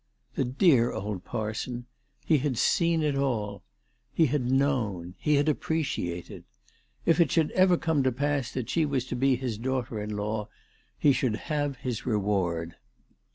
The dear old parson ! He had seen it all. He had known. He had appreciated. If it should ever come to pass that she was to be his daughter in law, he should have his reward.